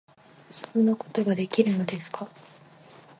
「そんなことができるのですか？」